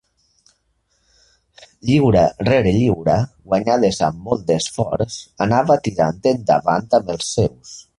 Lliura rere lliura, guanyades amb molt d'esforç, anava tirant endavant amb els seus.